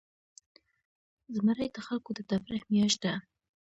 زمری د خلکو د تفریح میاشت ده.